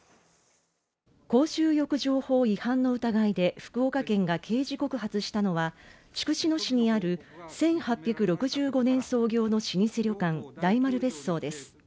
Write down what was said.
公衆浴場法違反の疑いで福岡県が刑事告発したのは、筑紫野市にある１８６５年創業の老舗旅館大丸別荘です。